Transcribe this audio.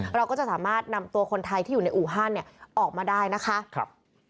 เราก็จะสามารถนำตัวคนไทยที่อยู่ในอู่ฮันเนี่ยออกมาได้นะคะ